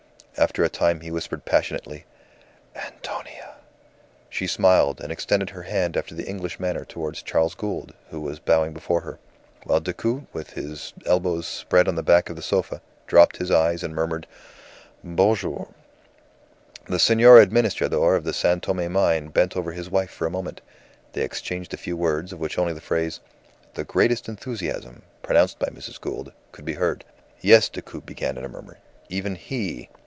After a time he whispered passionately "Antonia!" She smiled, and extended her hand after the English manner towards Charles Gould, who was bowing before her; while Decoud, with his elbows spread on the back of the sofa, dropped his eyes and murmured, "Bonjour." The Senor Administrador of the San Tome mine bent over his wife for a moment. They exchanged a few words, of which only the phrase, "The greatest enthusiasm," pronounced by Mrs. Gould, could be heard. "Yes," Decoud began in a murmur. "Even he!"